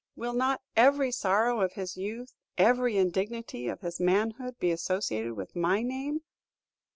_ Will not every sorrow of his youth, every indignity of his manhood, be associated with my name?